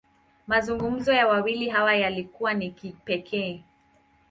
Mazungumzo ya wawili hawa, yalikuwa ya kipekee.